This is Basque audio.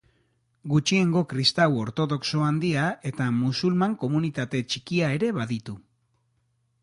Gutxiengo kristau ortodoxo handia eta musulman komunitate txikia ere baditu.